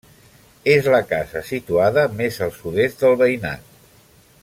És la casa situada més al sud-est del veïnat.